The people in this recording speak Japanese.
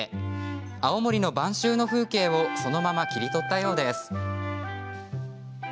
青森の晩秋の風景をそのまま切り取ったようです。